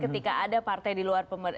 ketika ada partai di luar